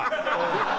ハハハハ！